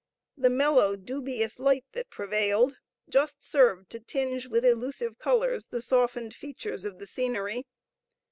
The mellow dubious light that prevailed just served to tinge with illusive colors the softened features of the scenery.